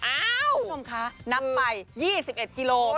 อ้าวคุณผู้ชมคะน้ำไป๒๑กิโลเมตร